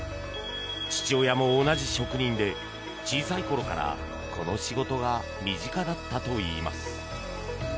父親も同じ職人で小さい頃から、この仕事が身近だったといいます。